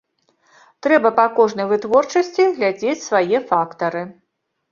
Трэба па кожнай вытворчасці глядзець свае фактары.